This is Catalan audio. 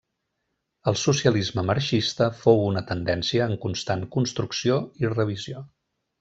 El Socialisme marxista fou una tendència en constant construcció i revisió.